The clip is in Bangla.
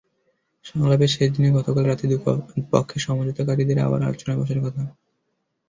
সংলাপের শেষ দিনে গতকাল রাতে দুপক্ষের সমঝোতাকারীদের আবার আলোচনায় বসার কথা।